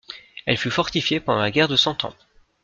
Elle fut fortifiée pendant la Guerre de Cent Ans.